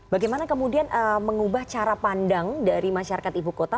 bagaimana kemudian mengubah cara pandang dari masyarakat ibu kota